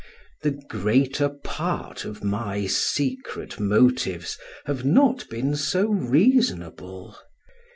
The greater part of my secret motives have not been so reasonable.